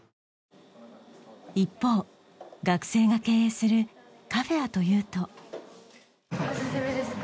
一方学生が経営するカフェはというとオススメですか？